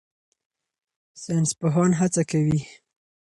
ساینسپوهان هڅه کوي.